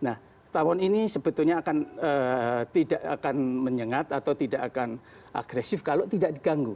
nah tawon ini sebetulnya akan tidak akan menyengat atau tidak akan agresif kalau tidak diganggu